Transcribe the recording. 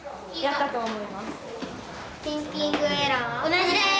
同じです！